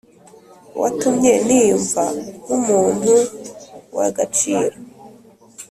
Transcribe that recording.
watumye niyumva nk’umuntu w’agaciro